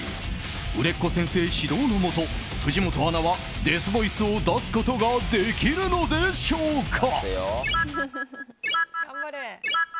売れっ子先生指導のもと藤本アナはデスボイスを出すことができるのでしょうか。